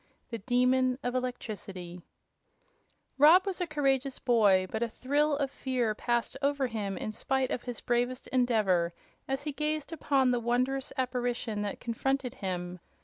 2. The Demon of Electricity Rob was a courageous boy, but a thrill of fear passed over him in spite of his bravest endeavor as he gazed upon the wondrous apparition that confronted him.